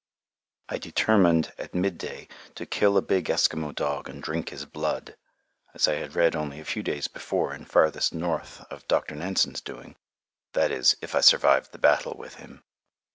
I determined, at mid day, to kill a big Eskimo dog and drink his blood, as I had read only a few days before in "Farthest North" of Dr. Nansen's doing, that is, if I survived the battle with him.